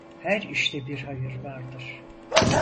Her işte bir hayır vardır.